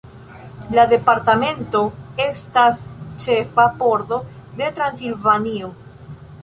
La departamento estas ĉefa pordo de Transilvanio.